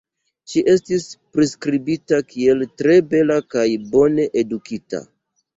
Ŝi estis priskribita kiel tre bela kaj bone edukita.